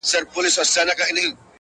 پسله كلونه چي جانان تـه ورځـي’